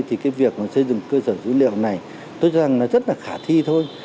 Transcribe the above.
thì cái việc xây dựng cơ sở dữ liệu này tôi cho rằng là rất là khả thi thôi